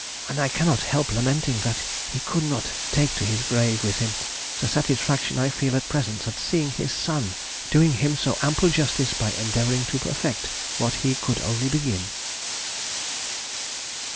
And I cannot help lamenting that he could not take to his grave with him the satisfaction I feel at present at seeing his son doing him so ample justice by endeavouring to perfect what he could only begin....